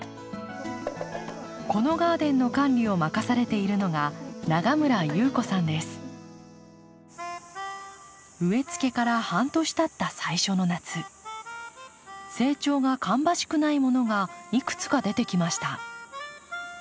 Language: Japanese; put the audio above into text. このガーデンの管理を任されているのが植えつけから半年たった最初の夏成長が芳しくないものがいくつか出てきました。